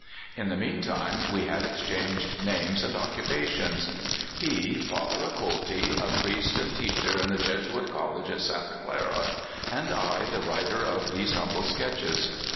In the mean time we had exchanged names and occupations. He, Father Acolti, a priest and teacher in the Jes uit College at Santa Clara; and I, the writer of these humble Sketches.